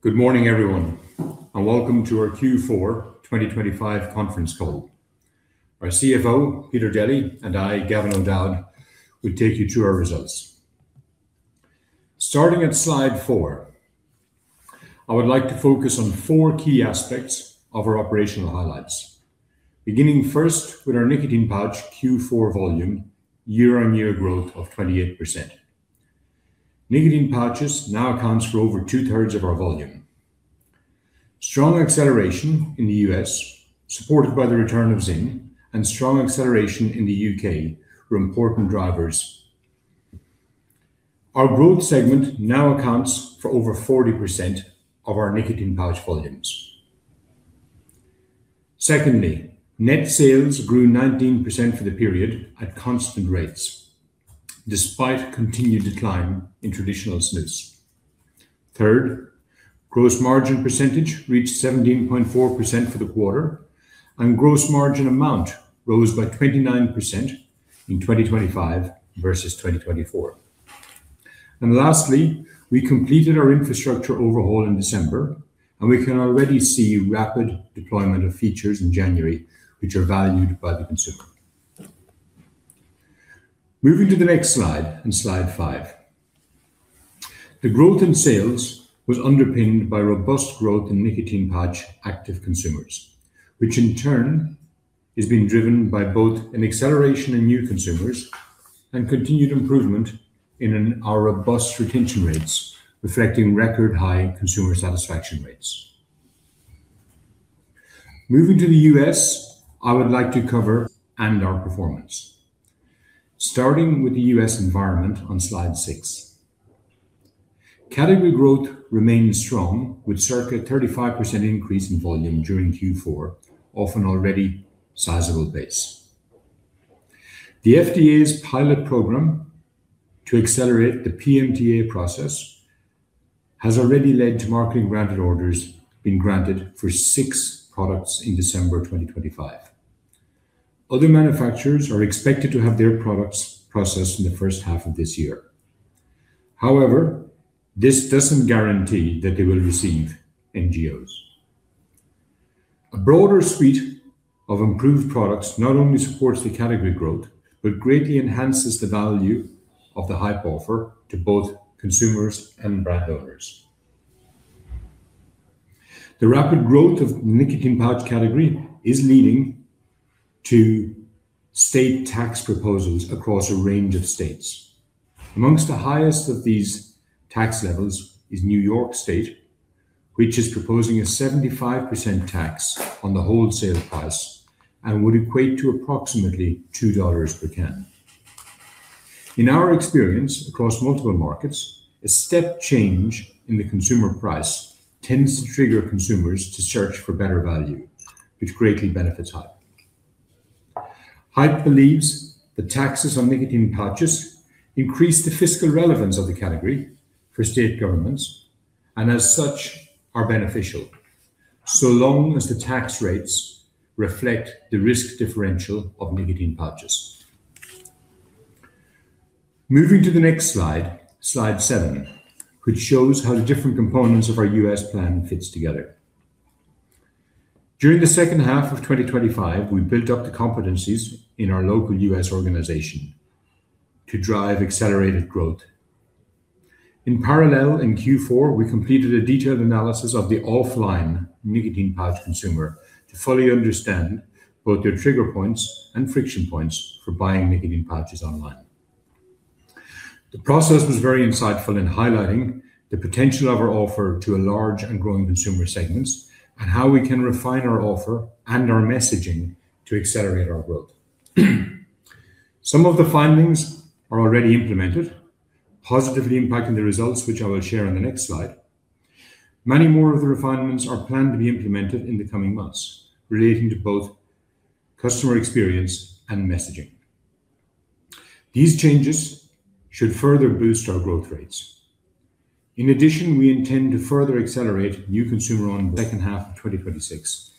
Good morning, everyone, and welcome to our Q4 2025 conference call. Our CFO, Peter Deli, and I, Gavin O'Dowd, will take you through our results. Starting at slide four, I would like to focus on four key aspects of our operational highlights. Beginning first with our nicotine pouch Q4 volume, year-on-year growth of 28%. Nicotine pouches now accounts for over 2/3 of our volume. Strong acceleration in the U.S., supported by the return of ZYN, and strong acceleration in the U.K. were important drivers. Our growth segment now accounts for over 40% of our nicotine pouch volumes. Secondly, net sales grew 19% for the period at constant rates, despite continued decline in traditional snus. Third, gross margin percentage reached 17.4% for the quarter, and gross margin amount rose by 29% in 2025 versus 2024. Lastly, we completed our infrastructure overhaul in December, and we can already see rapid deployment of features in January, which are valued by the consumer. Moving to the next slide, on slide five. The growth in sales was underpinned by robust growth in nicotine pouch active consumers, which in turn is being driven by both an acceleration in new consumers and continued improvement in our robust retention rates, reflecting record high consumer satisfaction rates. Moving to the U.S., I would like to cover and our performance. Starting with the U.S. environment on slide six. Category growth remains strong, with circa 35% increase in volume during Q4, off an already sizable base. The FDA's pilot program to accelerate the PMTA process has already led to marketing granted orders being granted for six products in December 2025. Other manufacturers are expected to have their products processed in the first half of this year. However, this doesn't guarantee that they will receive MGOs. A broader suite of improved products not only supports the category growth, but greatly enhances the value of the Haypp offer to both consumers and brand owners. The rapid growth of nicotine pouch category is leading to state tax proposals across a range of states. Among the highest of these tax levels is New York State, which is proposing a 75% tax on the wholesale price and would equate to approximately $2 per can. In our experience across multiple markets, a step change in the consumer price tends to trigger consumers to search for better value, which greatly benefits Haypp. Haypp believes the taxes on nicotine pouches increase the fiscal relevance of the category for state governments, and as such, are beneficial, so long as the tax rates reflect the risk differential of nicotine pouches. Moving to the next slide, slide seven, which shows how the different components of our U.S. plan fits together. During the second half of 2025, we built up the competencies in our local U.S. organization to drive accelerated growth. In parallel, in Q4, we completed a detailed analysis of the offline nicotine pouch consumer to fully understand both their trigger points and friction points for buying nicotine pouches online. The process was very insightful in highlighting the potential of our offer to a large and growing consumer segments, and how we can refine our offer and our messaging to accelerate our growth. Some of the findings are already implemented, positively impacting the results, which I will share in the next slide. Many more of the refinements are planned to be implemented in the coming months, relating to both customer experience and messaging. These changes should further boost our growth rates. In addition, we intend to further accelerate new consumer on the second half of 2026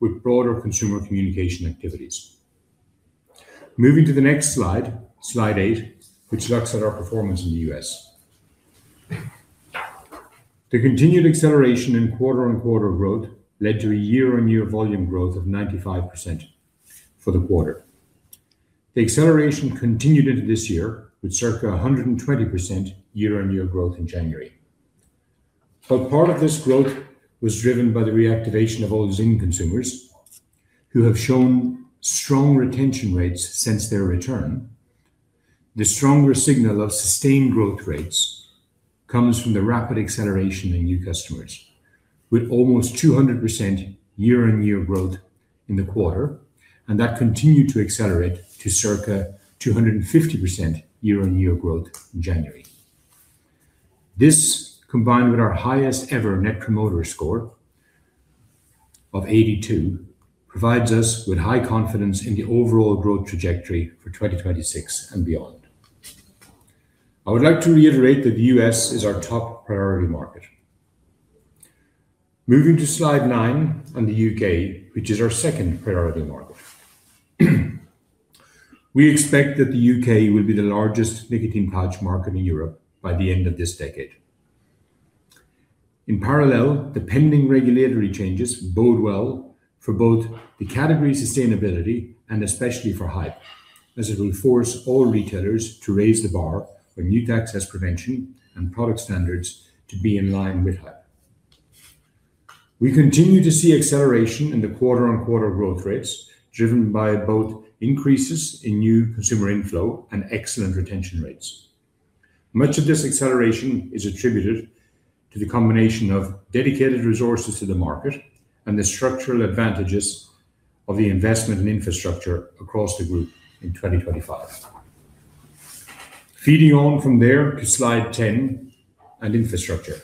with broader consumer communication activities. Moving to the next slide, slide eight, which looks at our performance in the U.S. The continued acceleration in quarter-on-quarter growth led to a year-on-year volume growth of 95% for the quarter. The acceleration continued into this year, with circa 120% year-on-year growth in January. But part of this growth was driven by the reactivation of all ZYN consumers, who have shown strong retention rates since their return. The stronger signal of sustained growth rates comes from the rapid acceleration in new customers, with almost 200% year-on-year growth in the quarter, and that continued to accelerate to circa 250% year-on-year growth in January. This, combined with our highest-ever Net Promoter Score of 82, provides us with high confidence in the overall growth trajectory for 2026 and beyond. I would like to reiterate that the U.S. is our top priority market. Moving to slide nine on the U.K., which is our second priority market.... We expect that the U.K. will be the largest nicotine pouch market in Europe by the end of this decade. In parallel, the pending regulatory changes bode well for both the category sustainability and especially for Haypp, as it will force all retailers to raise the bar for youth access prevention and product standards to be in line with Haypp. We continue to see acceleration in the quarter-on-quarter growth rates, driven by both increases in new consumer inflow and excellent retention rates. Much of this acceleration is attributed to the combination of dedicated resources to the market and the structural advantages of the investment in infrastructure across the group in 2025. Feeding on from there to slide 10 and infrastructure.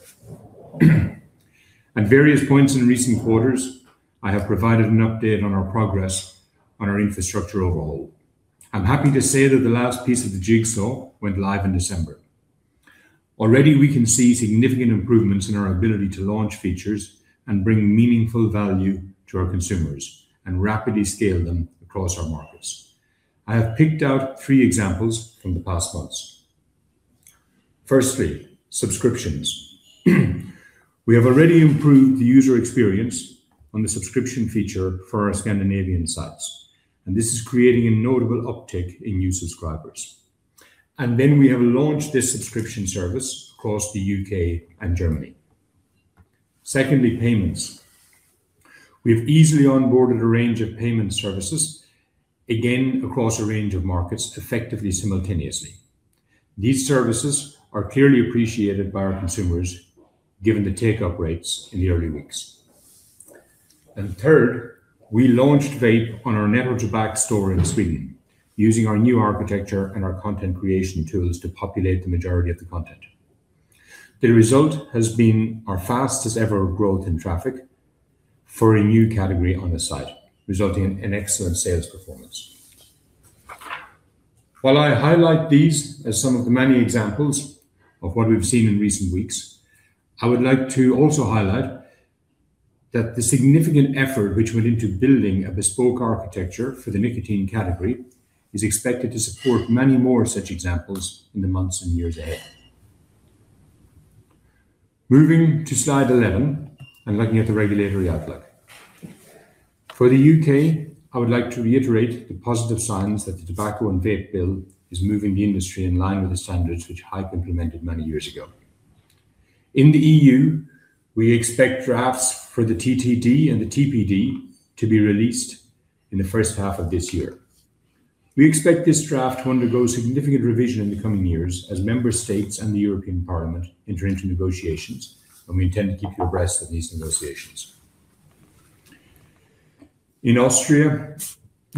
At various points in recent quarters, I have provided an update on our progress on our infrastructure overhaul. I'm happy to say that the last piece of the jigsaw went live in December. Already, we can see significant improvements in our ability to launch features and bring meaningful value to our consumers and rapidly scale them across our markets. I have picked out three examples from the past months. Firstly, subscriptions. We have already improved the user experience on the subscription feature for our Scandinavian sites, and this is creating a notable uptick in new subscribers. And then we have launched this subscription service across the U.K. and Germany. Secondly, payments. We have easily onboarded a range of payment services, again, across a range of markets, effectively, simultaneously. These services are clearly appreciated by our consumers, given the take-up rates in the early weeks. And third, we launched vape on our Nettotobak store in Sweden, using our new architecture and our content creation tools to populate the majority of the content. The result has been our fastest-ever growth in traffic for a new category on the site, resulting in an excellent sales performance. While I highlight these as some of the many examples of what we've seen in recent weeks, I would like to also highlight that the significant effort which went into building a bespoke architecture for the nicotine category is expected to support many more such examples in the months and years ahead. Moving to slide 11, and looking at the regulatory outlook. For the U.K., I would like to reiterate the positive signs that the Tobacco and Vapes Bill is moving the industry in line with the standards which Haypp implemented many years ago. In the EU, we expect drafts for the TED and the TPD to be released in the first half of this year. We expect this draft to undergo significant revision in the coming years as member states and the European Parliament enter into negotiations, and we intend to keep you abreast of these negotiations. In Austria,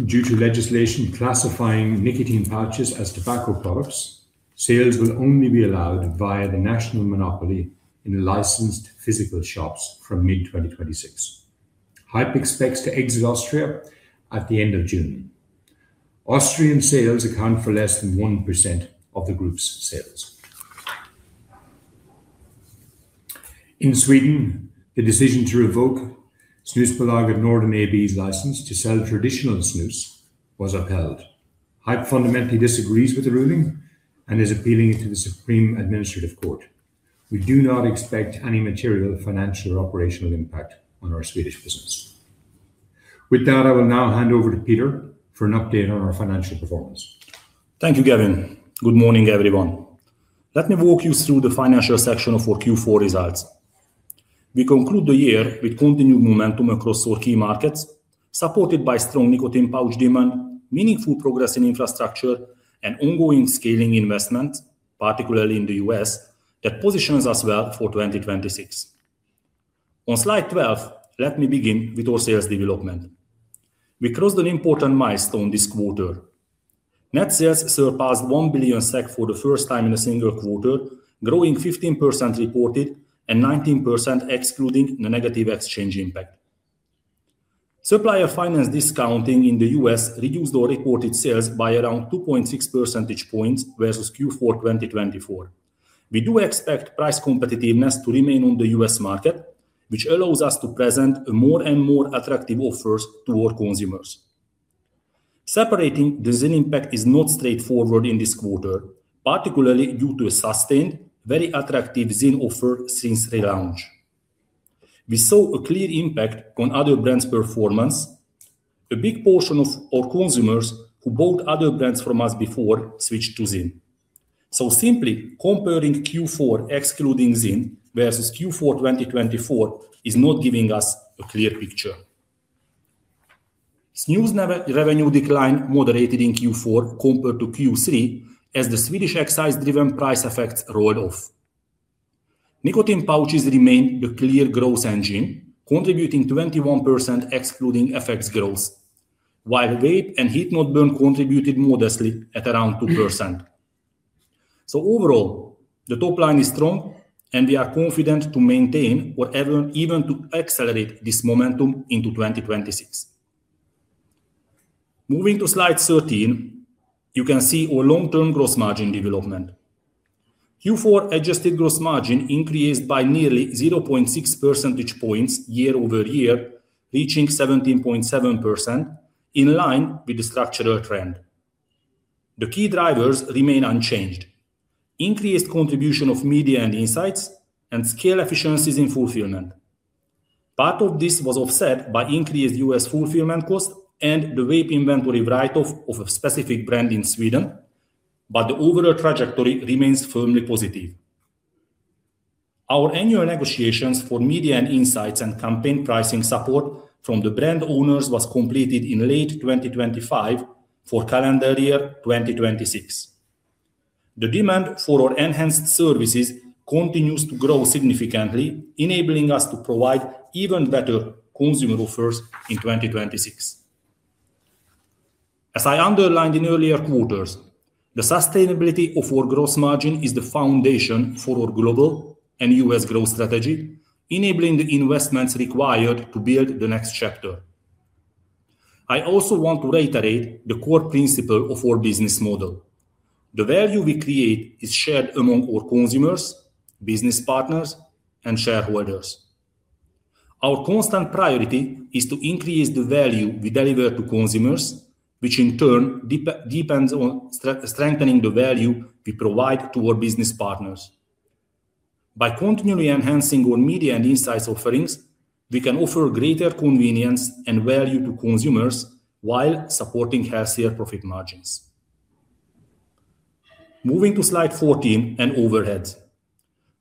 due to legislation classifying nicotine pouches as tobacco products, sales will only be allowed via the national monopoly in licensed physical shops from mid-2026. Haypp expects to exit Austria at the end of June. Austrian sales account for less than 1% of the group's sales. In Sweden, the decision to revoke Snusbolaget Norden AB's license to sell traditional snus was upheld. Haypp fundamentally disagrees with the ruling and is appealing it to the Supreme Administrative Court. We do not expect any material financial or operational impact on our Swedish business. With that, I will now hand over to Peter for an update on our financial performance. Thank you, Gavin. Good morning, everyone. Let me walk you through the financial section of our Q4 results. We conclude the year with continued momentum across all key markets, supported by strong nicotine pouch demand, meaningful progress in infrastructure, and ongoing scaling investments, particularly in the U.S., that positions us well for 2026. On slide 12, let me begin with our sales development. We crossed an important milestone this quarter. Net sales surpassed 1 billion SEK for the first time in a single quarter, growing 15% reported and 19% excluding the negative exchange impact. supplier finance discounting in the U.S. reduced our reported sales by around 2.6 percentage points versus Q4 2024. We do expect price competitiveness to remain on the U.S. market, which allows us to present a more and more attractive offers to our consumers. Separating the ZYN impact is not straightforward in this quarter, particularly due to a sustained, very attractive ZYN offer since relaunch. We saw a clear impact on other brands' performance. A big portion of our consumers who bought other brands from us before switched to ZYN. So simply comparing Q4, excluding ZYN, versus Q4 2024 is not giving us a clear picture. Snus net revenue decline moderated in Q4 compared to Q3 as the Swedish excise-driven price effects rolled off. Nicotine pouches remained the clear growth engine, contributing 21%, excluding FX growth, while vape and heat-not-burn contributed modestly at around 2%. So overall, the top line is strong, and we are confident to maintain or even, even to accelerate this momentum into 2026. Moving to slide 13, you can see our long-term gross margin development. Q4 adjusted gross margin increased by nearly 0.6 percentage points year-over-year, reaching 17.7% in line with the structural trend. The key drivers remain unchanged. Increased contribution of Media and Insights and scale efficiencies in fulfillment. Part of this was offset by increased U.S. fulfillment costs and the vape inventory write-off of a specific brand in Sweden, but the overall trajectory remains firmly positive. Our annual negotiations for Media and Insights and campaign pricing support from the brand owners was completed in late 2025 for calendar year 2026. The demand for our enhanced services continues to grow significantly, enabling us to provide even better consumer offers in 2026. As I underlined in earlier quarters, the sustainability of our gross margin is the foundation for our global and U.S. growth strategy, enabling the investments required to build the next chapter. I also want to reiterate the core principle of our business model. The value we create is shared among our consumers, business partners, and shareholders. Our constant priority is to increase the value we deliver to consumers, which in turn depends on strengthening the value we provide to our business partners. By continually enhancing our Media and Insights offerings, we can offer greater convenience and value to consumers while supporting healthier profit margins. Moving to slide 14 and overheads.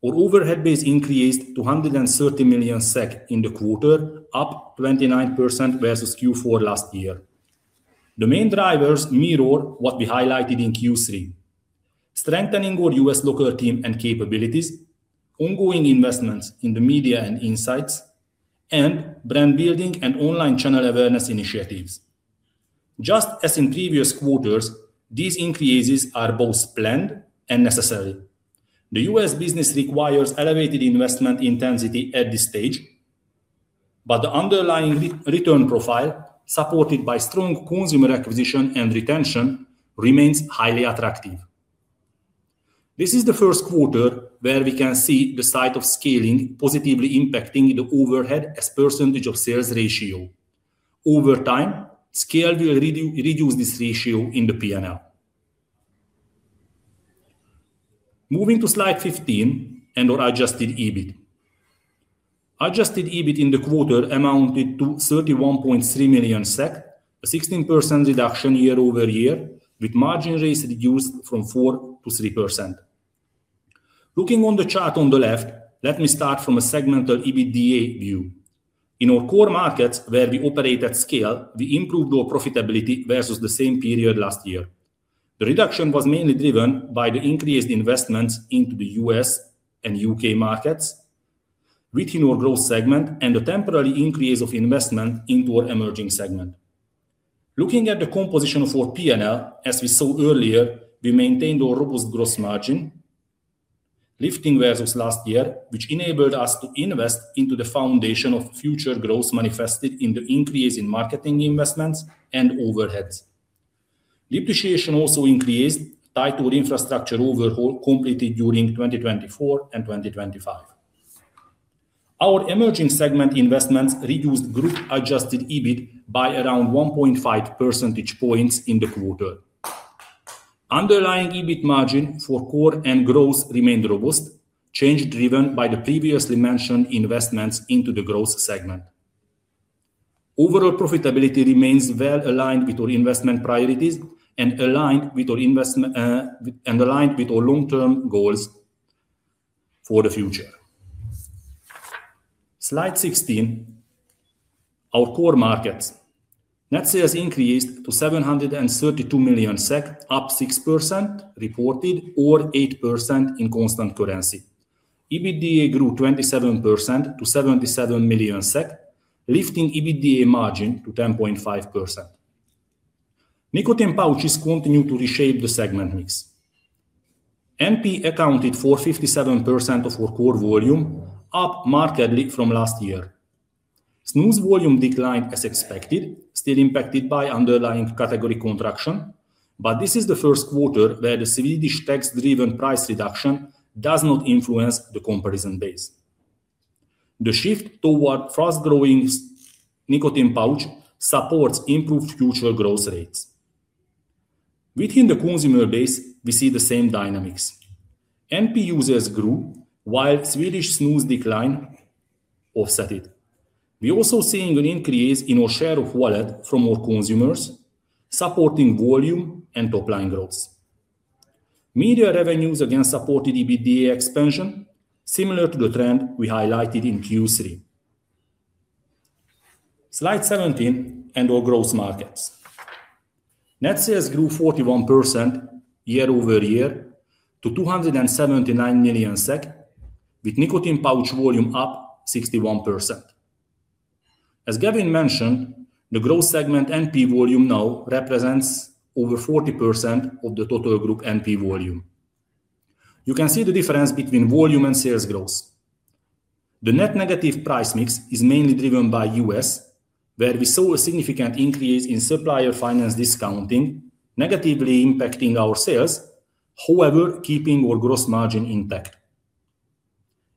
Our overhead base increased to 130 million SEK in the quarter, up 29% versus Q4 last year. The main drivers mirror what we highlighted in Q3, strengthening our U.S. local team and capabilities, ongoing investments in the Media and Insights, and brand building and online channel awareness initiatives. Just as in previous quarters, these increases are both planned and necessary.c The U.S. business requires elevated investment intensity at this stage, but the underlying return profile, supported by strong consumer acquisition and retention, remains highly attractive. This is the first quarter where we can see the signs of scaling positively impacting the overhead as percentage of sales ratio. Over time, scale will reduce this ratio in the P&L. Moving to slide 15 and our adjusted EBIT. Adjusted EBIT in the quarter amounted to 31.3 million SEK, a 16% reduction year-over-year, with margin rates reduced from 4% to 3%. Looking on the chart on the left, let me start from a segmental EBITDA view. In our core markets where we operate at scale, we improved our profitability versus the same period last year. The reduction was mainly driven by the increased investments into the U.S. and U.K. markets within our growth segment and the temporary increase of investment into our emerging segment. Looking at the composition of our P&L, as we saw earlier, we maintained our robust gross margin, lifting versus last year, which enabled us to invest into the foundation of future growth manifested in the increase in marketing investments and overheads. Depreciation also increased, tied to infrastructure overhaul completed during 2024 and 2025. Our emerging segment investments reduced group-adjusted EBIT by around 1.5 percentage points in the quarter. Underlying EBIT margin for core and growth remained robust, change driven by the previously mentioned investments into the growth segment. Overall profitability remains well aligned with our investment priorities and aligned with our investment, and aligned with our long-term goals for the future. Slide 16, our core markets. Net sales increased to 732 million SEK, up 6% reported or 8% in constant currency. EBITDA grew 27% to 77 million SEK, lifting EBITDA margin to 10.5%. Nicotine pouches continue to reshape the segment mix. NP accounted for 57% of our core volume, up markedly from last year. Snus volume declined as expected, still impacted by underlying category contraction, but this is the first quarter where the Swedish tax-driven price reduction does not influence the comparison base. The shift toward fast-growing nicotine pouch supports improved future growth rates. Within the consumer base, we see the same dynamics. NP users grew, while Swedish snus decline offset it. We're also seeing an increase in our share of wallet from our consumers, supporting volume and top-line growth. Media revenues again supported EBITDA expansion, similar to the trend we highlighted in Q3. Slide 17, and our growth markets. Net sales grew 41% year-over-year to 279 million SEK, with nicotine pouch volume up 61%. As Gavin mentioned, the growth segment NP volume now represents over 40% of the total group NP volume. You can see the difference between volume and sales growth. The net negative price mix is mainly driven by U.S., where we saw a significant increase in supplier finance discounting, negatively impacting our sales, however, keeping our gross margin intact.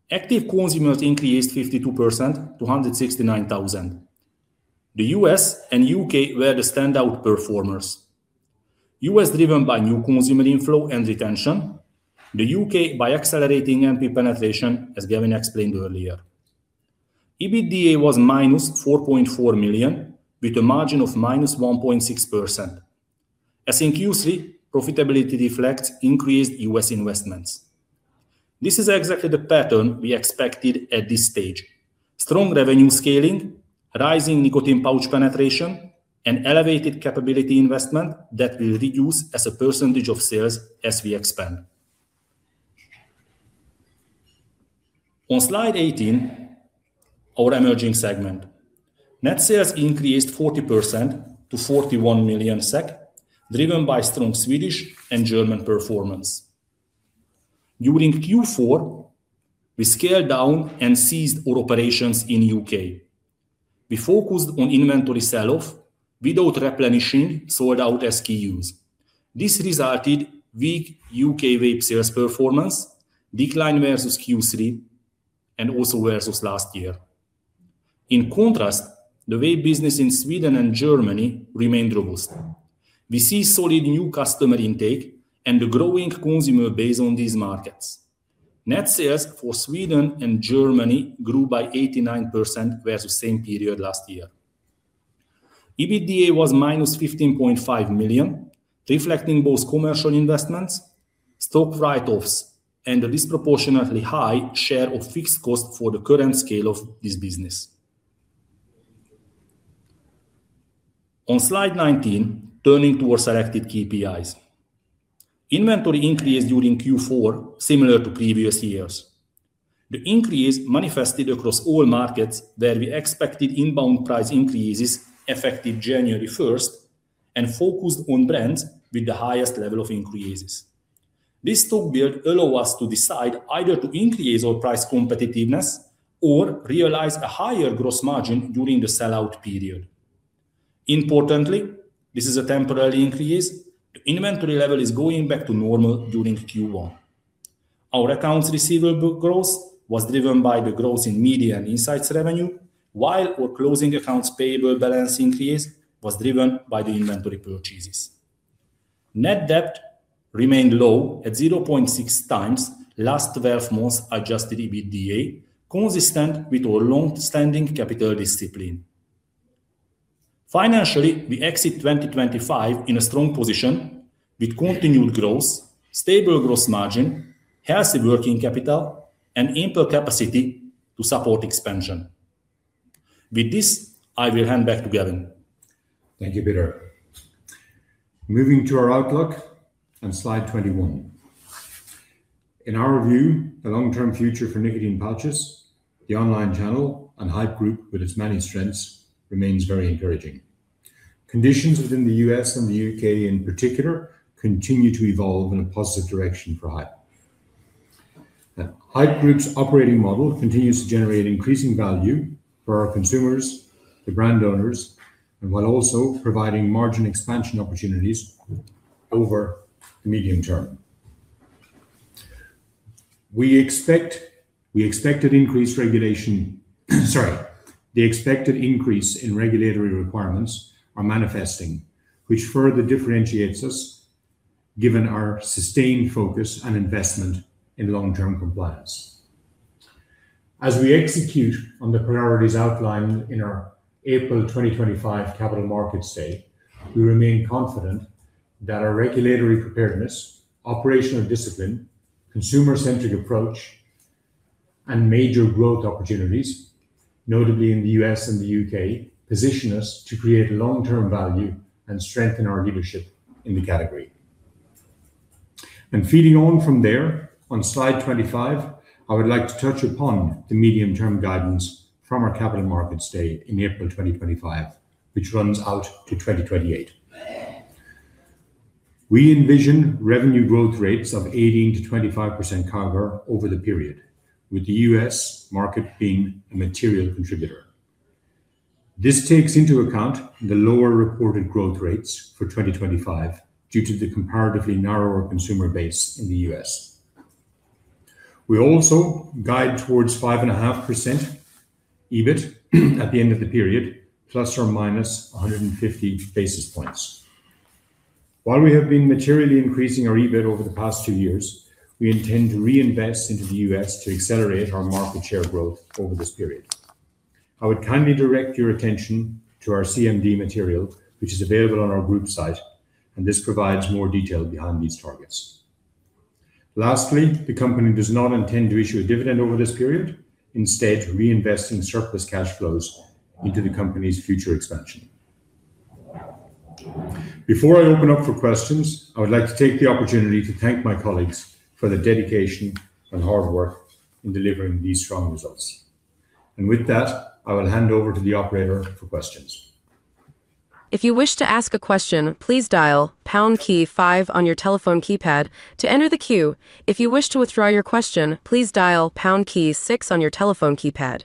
Active consumers increased 52% to 169,000. The U.S. and U.K. were the standout performers. U.S., driven by new consumer inflow and retention. The U.K., by accelerating NP penetration, as Gavin explained earlier. EBITDA was -4.4 million, with a margin of -1.6%. As in Q3, profitability reflects increased U.S. investments. This is exactly the pattern we expected at this stage. Strong revenue scaling, rising nicotine pouch penetration, and elevated capability investment that will reduce as a percentage of sales as we expand. On slide 18, our emerging segment. Net sales increased 40% to 41 million SEK, driven by strong Swedish and German performance. During Q4, we scaled down and ceased our operations in U.K.. We focused on inventory sell-off without replenishing sold-out SKUs. This resulted weak U.K. vape sales performance, decline versus Q3 and also versus last year. In contrast, the vape business in Sweden and Germany remained robust. We see solid new customer intake and a growing consumer base on these markets. Net sales for Sweden and Germany grew by 89% versus same period last year. EBITDA was -15.5 million, reflecting both commercial investments, stock write-offs, and the disproportionately high share of fixed costs for the current scale of this business. On slide 19, turning to our selected KPIs. Inventory increased during Q4, similar to previous years. The increase manifested across all markets where we expected inbound price increases effective January 1st, and focused on brands with the highest level of increases. This stock build allow us to decide either to increase our price competitiveness or realize a higher gross margin during the sell-out period. Importantly, this is a temporary increase. The inventory level is going back to normal during Q1. Our accounts receivable growth was driven by the growth in Media and Insights revenue, while our closing accounts payable balance increase was driven by the inventory purchases. Net debt remained low at 0.6x last 12 months Adjusted EBITDA, consistent with our long-standing capital discipline. Financially, we exit 2025 in a strong position with continued growth, stable gross margin, healthy working capital, and ample capacity to support expansion. With this, I will hand back to Gavin. Thank you, Peter. Moving to our outlook on slide 21. In our view, the long-term future for nicotine pouches, the online channel, and Haypp Group, with its many strengths, remains very encouraging. Conditions within the U.S. and the U.K. in particular, continue to evolve in a positive direction for Haypp. Haypp Group's operating model continues to generate increasing value for our consumers, the brand owners, and while also providing margin expansion opportunities over the medium term. We expected increased regulation, sorry. The expected increase in regulatory requirements are manifesting, which further differentiates us, given our sustained focus and investment in long-term compliance. As we execute on the priorities outlined in our April 2025 Capital Markets Day, we remain confident that our regulatory preparedness, operational discipline, consumer-centric approach, and major growth opportunities, notably in the U.S. and the U.K., position us to create long-term value and strengthen our leadership in the category. And feeding on from there, on slide 25, I would like to touch upon the medium-term guidance from our Capital Markets Day in April 2025, which runs out to 2028. We envision revenue growth rates of 18%-25% CAGR over the period, with the U.S. market being a material contributor. This takes into account the lower reported growth rates for 2025 due to the comparatively narrower consumer base in the U.S. We also guide towards 5.5% EBIT at the end of the period, ±150 basis points. While we have been materially increasing our EBIT over the past two years, we intend to reinvest into the U.S. to accelerate our market share growth over this period. I would kindly direct your attention to our CMD material, which is available on our group site, and this provides more detail behind these targets. Lastly, the company does not intend to issue a dividend over this period, instead, reinvesting surplus cash flows into the company's future expansion. Before I open up for questions, I would like to take the opportunity to thank my colleagues for their dedication and hard work in delivering these strong results. And with that, I will hand over to the operator for questions.... If you wish to ask a question, please dial pound key five on your telephone keypad to enter the queue. If you wish to withdraw your question, please dial pound key six on your telephone keypad.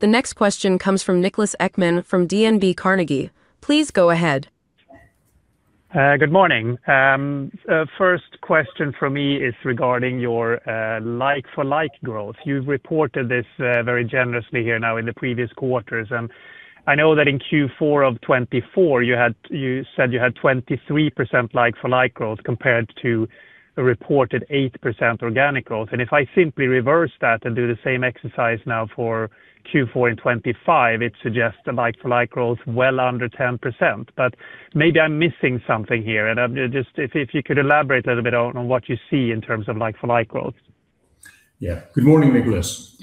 The next question comes from Niklas Ekman from DNB Carnegie. Please go ahead. Good morning. First question from me is regarding your like-for-like growth. You've reported this very generously here now in the previous quarters, and I know that in Q4 of 2024, you said you had 23% like-for-like growth, compared to a reported 8% organic growth. And if I simply reverse that and do the same exercise now for Q4 in 2025, it suggests a like-for-like growth well under 10%. But maybe I'm missing something here, and I'm just... you could elaborate a little bit on what you see in terms of like-for-like growth. Yeah. Good morning, Niklas.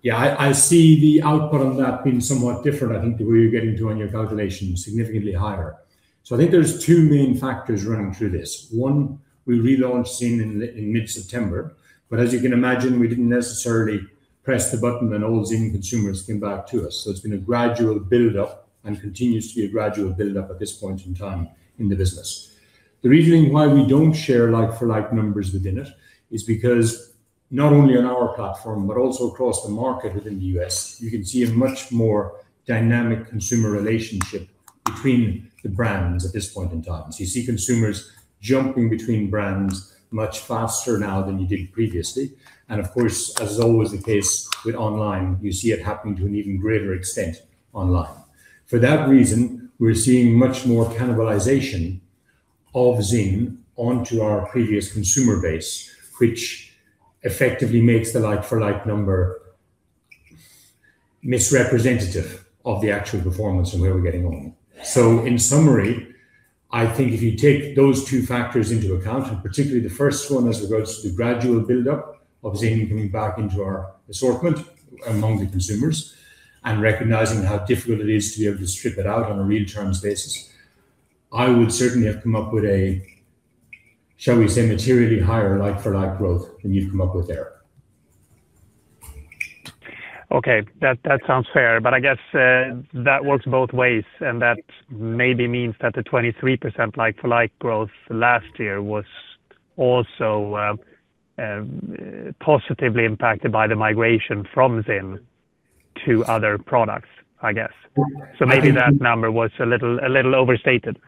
Yeah, I see the output of that being somewhat different. I think the way you're getting to on your calculation is significantly higher. So I think there's two main factors running through this. One, we relaunched ZYN in mid-September, but as you can imagine, we didn't necessarily press the button, and all ZYN consumers came back to us. So it's been a gradual build-up and continues to be a gradual build-up at this point in time in the business. The reasoning why we don't share like-for-like numbers within it is because not only on our platform, but also across the market within the U.S., you can see a much more dynamic consumer relationship between the brands at this point in time. So you see consumers jumping between brands much faster now than you did previously, and of course, as is always the case with online, you see it happening to an even greater extent online. For that reason, we're seeing much more cannibalization of ZYN onto our previous consumer base, which effectively makes the like-for-like number misrepresentative of the actual performance and where we're getting on. So in summary, I think if you take those two factors into account, and particularly the first one, as regards to the gradual build-up of ZYN coming back into our assortment among the consumers and recognizing how difficult it is to be able to strip it out on a real-terms basis, I would certainly have come up with a, shall we say, materially higher like-for-like growth than you've come up with there. Okay, that sounds fair, but I guess that works both ways, and that maybe means that the 23% like-for-like growth last year was also positively impacted by the migration from ZYN to other products, I guess. Well- Maybe that number was a little overstated.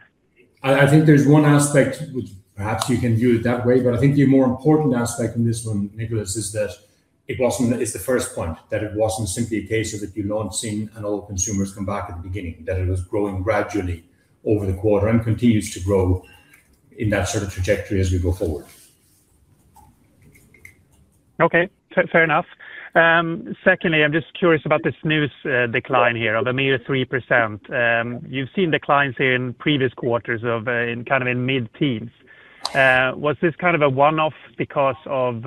I think there's one aspect which perhaps you can view it that way, but I think the more important aspect in this one, Niklas, is that it wasn't. The first point is that it wasn't simply a case of that you're not seeing active consumers come back at the beginning, that it was growing gradually over the quarter and continues to grow in that sort of trajectory as we go forward. Okay, fair, fair enough. Secondly, I'm just curious about the snus decline here of a mere 3%. You've seen declines in previous quarters of kind of in the mid-teens. Was this kind of a one-off because of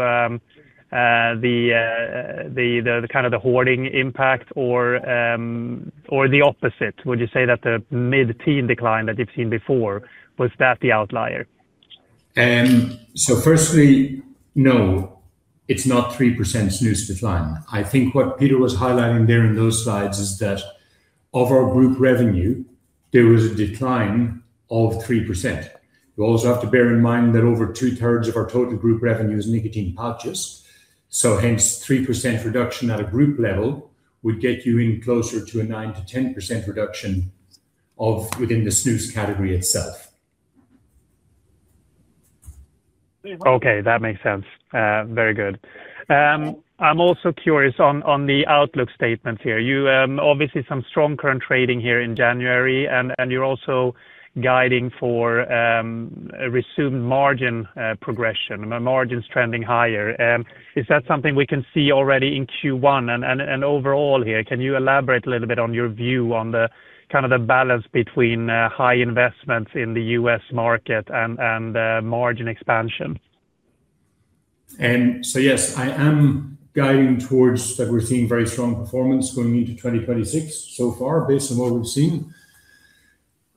the kind of hoarding impact or the opposite? Would you say that the mid-teen decline that you've seen before was that the outlier? So firstly, no, it's not 3% snus decline. I think what Peter was highlighting there in those slides is that of our group revenue, there was a decline of 3%. You also have to bear in mind that over two-thirds of our total group revenue is nicotine pouches, so hence, 3% reduction at a group level would get you in closer to a 9%-10% reduction of within the snus category itself. Okay, that makes sense. Very good. I'm also curious on the outlook statement here. Obviously, some strong current trading here in January, and you're also guiding for a resumed margin progression, margins trending higher. Is that something we can see already in Q1? And overall here, can you elaborate a little bit on your view on the kind of the balance between high investments in the U.S. market and margin expansion? Yes, I am guiding towards that. We're seeing very strong performance going into 2026 so far based on what we've seen.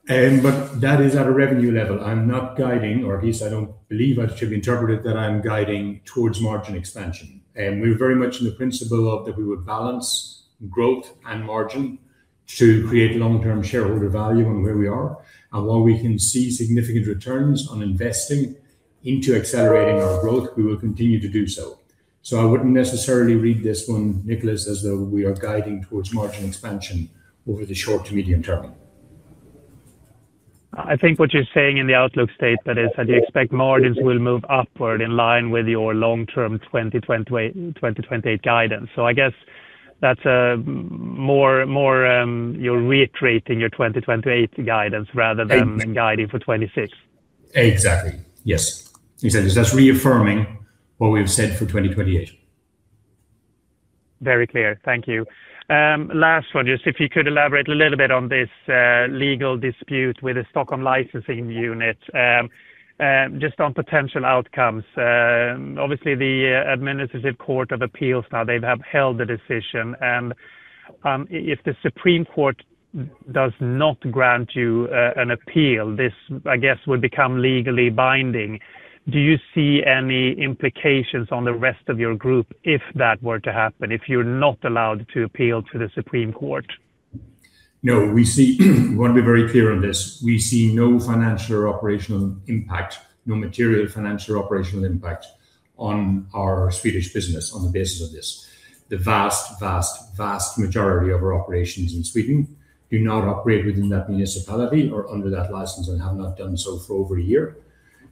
But that is at a revenue level. I'm not guiding, or at least I don't believe I should be interpreted, that I'm guiding towards margin expansion. We're very much in the principle of that we would balance growth and margin to create long-term shareholder value on where we are. While we can see significant returns on investing into accelerating our growth, we will continue to do so. I wouldn't necessarily read this one, Niklas, as though we are guiding towards margin expansion over the short to medium term. I think what you're saying in the outlook statement is that you expect margins will move upward in line with your long-term 2028, 2028 guidance. So I guess that's, more, more, you're reiterating your 2028 guidance rather than- Eight. -guiding for2026. Exactly, yes. As you said, it's just reaffirming what we've said for 2028. Very clear. Thank you. Last one, just if you could elaborate a little bit on this, legal dispute with the Stockholm Licensing Unit, just on potential outcomes. Obviously, the Administrative Court of Appeals, now they've upheld the decision, and if the Supreme Court does not grant you an appeal, this, I guess, would become legally binding. Do you see any implications on the rest of your group if that were to happen, if you're not allowed to appeal to the Supreme Court?... No, we see, we want to be very clear on this. We see no financial or operational impact, no material financial or operational impact on our Swedish business on the basis of this. The vast, vast, vast majority of our operations in Sweden do not operate within that municipality or under that license and have not done so for over a year.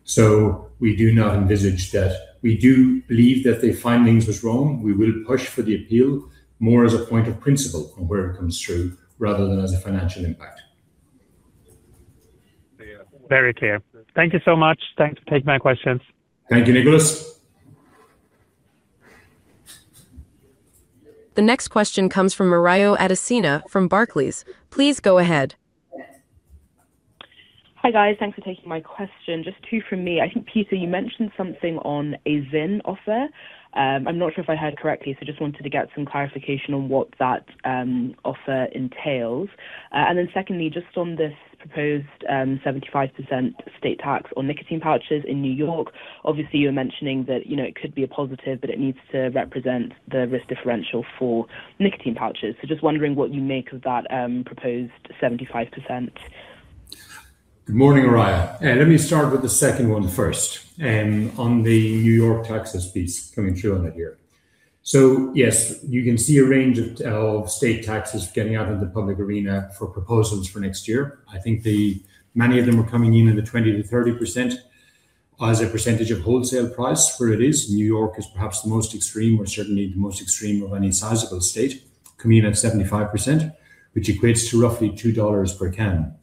So we do not envisage that. We do believe that the findings was wrong. We will push for the appeal more as a point of principle on where it comes through, rather than as a financial impact. Very clear. Thank you so much. Thanks for taking my questions. Thank you, Niklas. The next question comes from Morayo Adesina from Barclays. Please go ahead. Hi, guys. Thanks for taking my question. Just two from me. I think, Peter, you mentioned something on a ZYN offer. I'm not sure if I heard correctly, so just wanted to get some clarification on what that offer entails. And then secondly, just on this proposed 75% state tax on nicotine pouches in New York, obviously, you were mentioning that, you know, it could be a positive, but it needs to represent the risk differential for nicotine pouches. So just wondering what you make of that proposed 75%. Good morning, Morayo. Let me start with the second one first, on the New York taxes piece coming through on it here. So yes, you can see a range of, state taxes getting out in the public arena for proposals for next year. I think many of them are coming in in the 20%-30% as a percentage of wholesale price, where it is. New York is perhaps the most extreme, or certainly the most extreme of any sizable state, coming in at 75%, which equates to roughly $2 per can.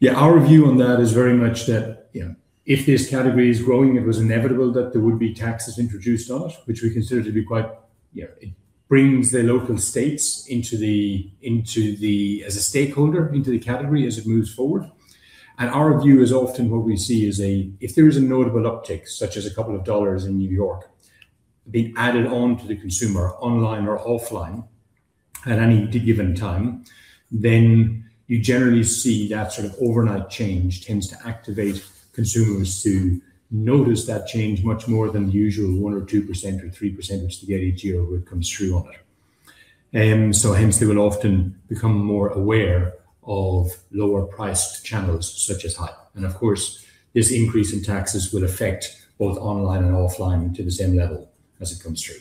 Yeah, our view on that is very much that, you know, if this category is growing, it was inevitable that there would be taxes introduced on it, which we consider to be quite, yeah, it brings the local states into the, into the, as a stakeholder, into the category as it moves forward. And our view is often what we see is a, if there is a notable uptick, such as a couple of dollars in New York, being added on to the consumer, online or offline, at any given time, then you generally see that sort of overnight change tends to activate consumers to notice that change much more than the usual 1% or 2% or 3% they get each year when it comes through on it. So hence, they will often become more aware of lower-priced channels, such as Haypp. Of course, this increase in taxes will affect both online and offline to the same level as it comes through.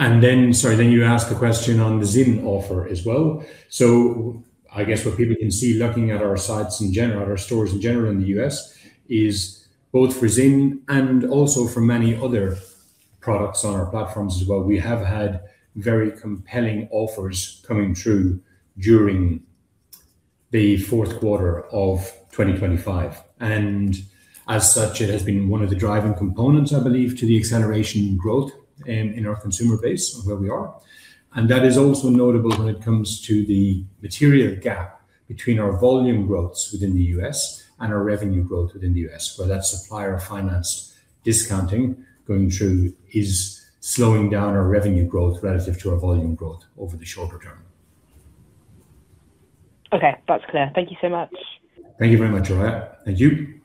Then, sorry, then you asked a question on the ZYN offer as well. I guess what people can see, looking at our sites in general, at our stores in general in the U.S., is both for ZYN and also for many other products on our platforms as well, we have had very compelling offers coming through during the fourth quarter of 2025. As such, it has been one of the driving components, I believe, to the acceleration in growth, in our consumer base of where we are. And that is also notable when it comes to the material gap between our volume growth within the U.S. and our revenue growth within the U.S., where that supplier financed discounting going through is slowing down our revenue growth relative to our volume growth over the shorter term. Okay, that's clear. Thank you so much. Thank you very much, Morayo. Thank you.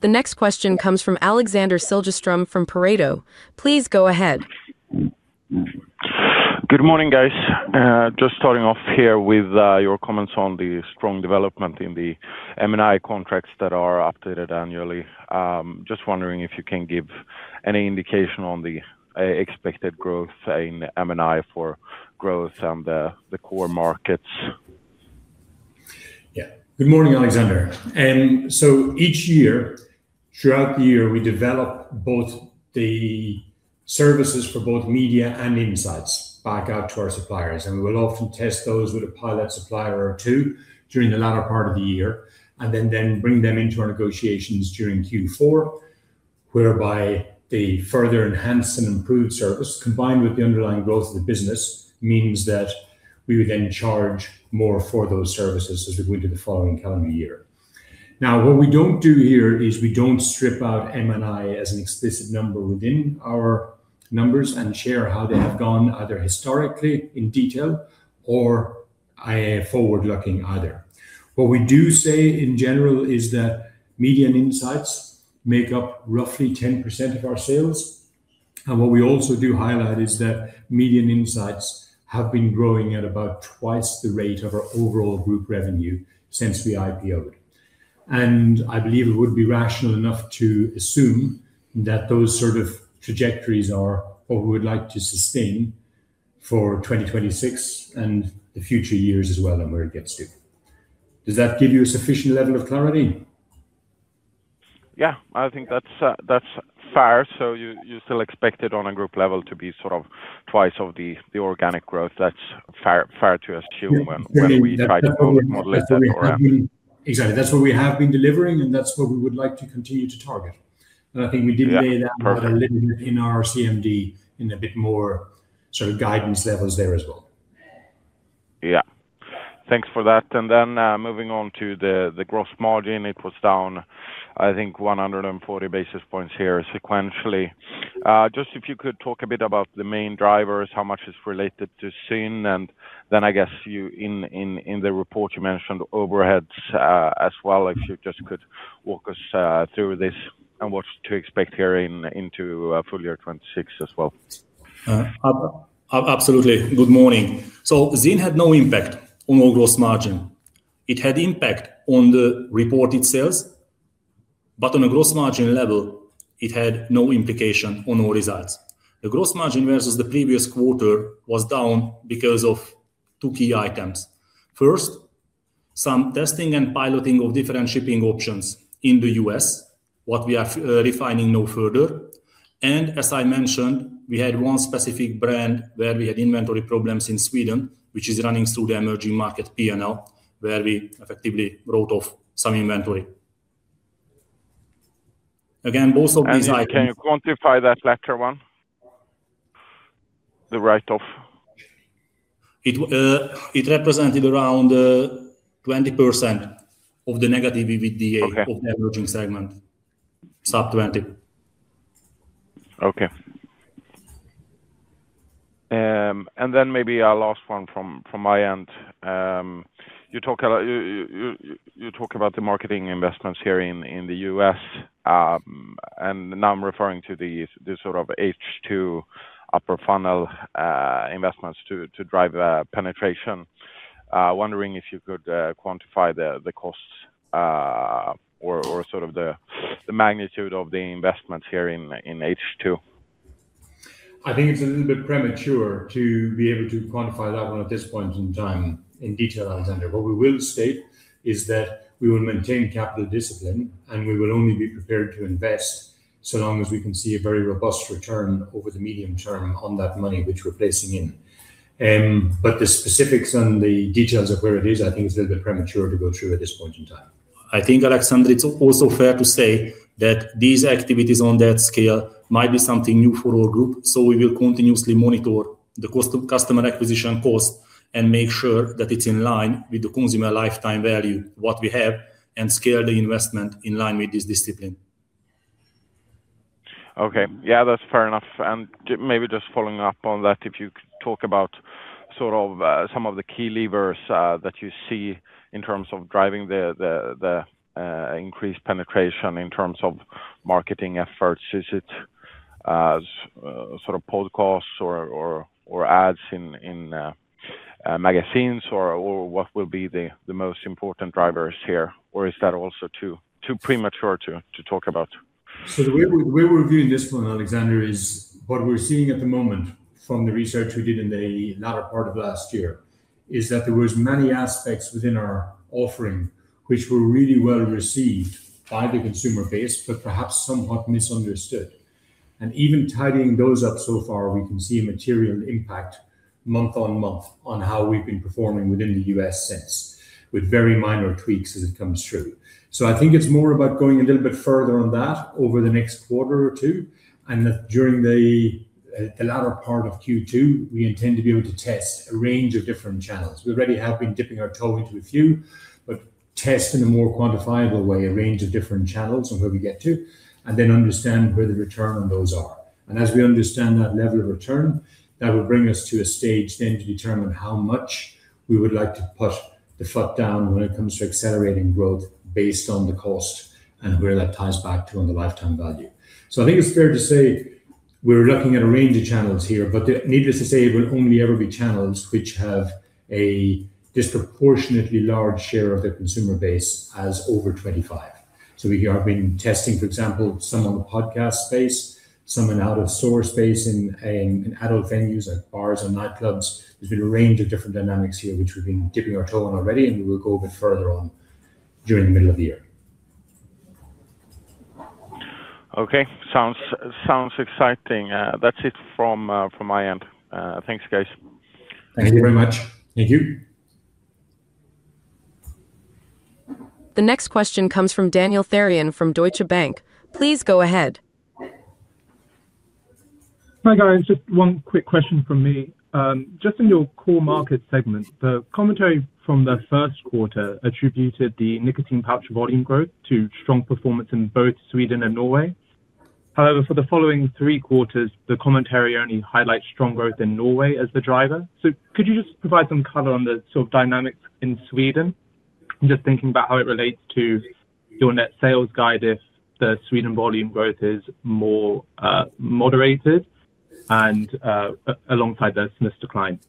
The next question comes from Alexander Siljeström from Pareto. Please go ahead. Good morning, guys. Just starting off here with your comments on the strong development in the M&I contracts that are updated annually. Just wondering if you can give any indication on the expected growth in M&I for growth on the core markets? Yeah. Good morning, Alexander. So each year, throughout the year, we develop both the services for both Media and Insights back out to our suppliers, and we will often test those with a pilot supplier or two during the latter part of the year, and then bring them into our negotiations during Q4, whereby the further enhanced and improved service, combined with the underlying growth of the business, means that we would then charge more for those services as we go into the following calendar year. Now, what we don't do here is we don't strip out M&I as an explicit number within our numbers and share how they have gone, either historically in detail or forward-looking either. What we do say in general is that Media and Insights make up roughly 10% of our sales. What we also do highlight is that Media and Insights have been growing at about twice the rate of our overall group revenue since we IPO'd. I believe it would be rational enough to assume that those sort of trajectories are what we would like to sustain for 2026 and the future years as well, and where it gets to. Does that give you a sufficient level of clarity? Yeah, I think that's fair. So you still expect it on a group level to be sort of twice the organic growth. That's fair to assume when we try to model it that way. Exactly. That's what we have been delivering, and that's what we would like to continue to target. Yeah. I think we did lay that- Perfect... out a little bit in our CMD in a bit more sort of guidance levels there as well. Yeah. Thanks for that. And then, moving on to the gross margin, it was down, I think 140 basis points here sequentially. Just if you could talk a bit about the main drivers, how much is related to ZYN, and then I guess you, in the report, you mentioned overheads as well. If you just could walk us through this and what to expect here into full year 2026 as well. Absolutely. Good morning. So ZYN had no impact on our gross margin. It had impact on the reported sales, but on a gross margin level, it had no implication on our results. The gross margin versus the previous quarter was down because of two key items. First, some testing and piloting of different shipping options in the U.S., what we are refining no further. And as I mentioned, we had one specific brand where we had inventory problems in Sweden, which is running through the emerging market P&L, where we effectively wrote off some inventory. Again, both of these items- Can you quantify that latter one, the write-off? It represented around 20% of the negative EBITDA- Okay... of the emerging segment. Sub 20. Okay. And then maybe a last one from my end. You talk a lot about the marketing investments here in the U.S. And now I'm referring to these, this sort of H2 upper funnel investments to drive penetration. Wondering if you could quantify the costs or sort of the magnitude of the investments here in H2? I think it's a little bit premature to be able to quantify that one at this point in time in detail, Alexander. What we will state is that we will maintain capital discipline, and we will only be prepared to invest so long as we can see a very robust return over the medium term on that money which we're placing in. But the specifics and the details of where it is, I think is a little bit premature to go through at this point in time. I think, Alexander, it's also fair to say that these activities on that scale might be something new for our group, so we will continuously monitor the cost of customer acquisition cost and make sure that it's in line with the consumer lifetime value, what we have, and scale the investment in line with this discipline. Okay. Yeah, that's fair enough. And maybe just following up on that, if you could talk about sort of some of the key levers that you see in terms of driving the increased penetration in terms of marketing efforts. Is it sort of podcasts or or ads in magazines or what will be the most important drivers here? Or is that also too premature to talk about? So the way we, we're viewing this one, Alexander, is what we're seeing at the moment from the research we did in the latter part of last year, is that there was many aspects within our offering which were really well received by the consumer base, but perhaps somewhat misunderstood. And even tidying those up so far, we can see a material impact month-on-month on how we've been performing within the U.S. since, with very minor tweaks as it comes through. So I think it's more about going a little bit further on that over the next quarter or two, and that during the latter part of Q2, we intend to be able to test a range of different channels. We already have been dipping our toe into a few, but test in a more quantifiable way, a range of different channels on where we get to, and then understand where the return on those are. As we understand that level of return, that will bring us to a stage then to determine how much we would like to put the foot down when it comes to accelerating growth based on the cost and where that ties back to on the lifetime value. I think it's fair to say we're looking at a range of channels here, but needless to say, it will only ever be channels which have a disproportionately large share of their consumer base as over 25. We have been testing, for example, some on the podcast space, some in out-of-store space, in adult venues, like bars and nightclubs. There's been a range of different dynamics here, which we've been dipping our toe on already, and we will go a bit further on during the middle of the year. Okay. Sounds exciting. That's it from my end. Thanks, guys. Thank you very much. Thank you. The next question comes from Daniel Therrien from Deutsche Bank. Please go ahead. Hi, guys. Just one quick question from me. Just in your core market segment, the commentary from the first quarter attributed the nicotine pouch volume growth to strong performance in both Sweden and Norway. However, for the following three quarters, the commentary only highlights strong growth in Norway as the driver. So could you just provide some color on the sort of dynamics in Sweden? Just thinking about how it relates to your net sales guide, if the Sweden volume growth is more moderated and alongside the snus decline.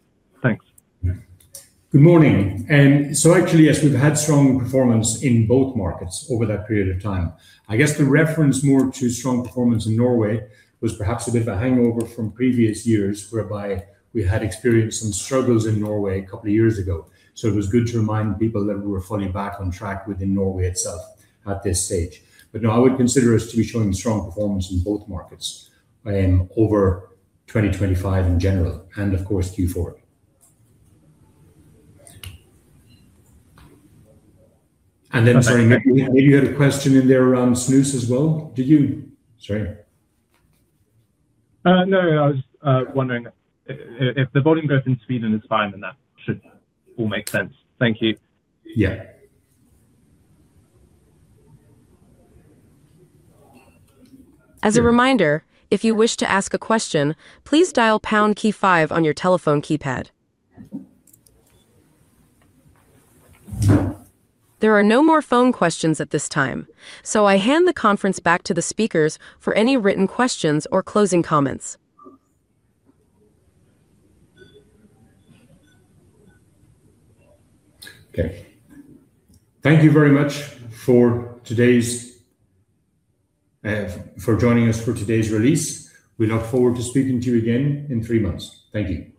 Thanks. Good morning. So actually, yes, we've had strong performance in both markets over that period of time. I guess the reference more to strong performance in Norway was perhaps a bit of a hangover from previous years, whereby we had experienced some struggles in Norway a couple of years ago. So it was good to remind people that we were fully back on track within Norway itself at this stage. But no, I would consider us to be showing strong performance in both markets, over 2025 in general, and of course, Q4. And then, sorry, maybe you had a question in there around snus as well? Did you? Sorry. No, I was wondering if the volume growth in Sweden is fine, then that should all make sense. Thank you. Yeah. As a reminder, if you wish to ask a question, please dial pound key five on your telephone keypad. There are no more phone questions at this time, so I hand the conference back to the speakers for any written questions or closing comments. Okay. Thank you very much for today's, for joining us for today's release. We look forward to speaking to you again in three months. Thank you.